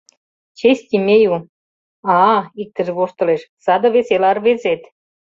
— Честь имею!» — «А-а, — иктыже воштылеш, — саде весела рвезет.